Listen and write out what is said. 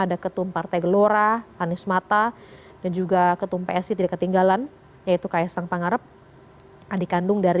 ada ketum partai gelora anies mata dan juga ketum psi tidak ketinggalan yaitu kaya sangpangarep adik